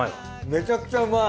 めちゃくちゃうまい。